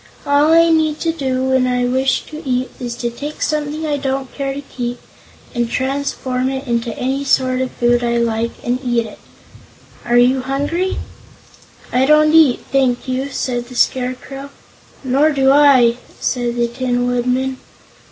All I need do, when I wish to eat, is to take something I don't care to keep, and transform it into any sort of food I like, and eat it. Are you hungry?" "I don't eat, thank you," said the Scarecrow. "Nor do I," said the Tin Woodman.